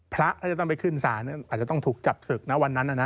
พระถ้าจะต้องไปขึ้นศาลอาจจะต้องถูกจับศึกนะวันนั้นนะนะ